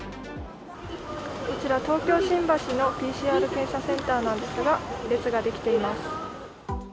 こちら東京・新橋のＰＣＲ検査センターですが列ができています。